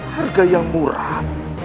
harga yang murah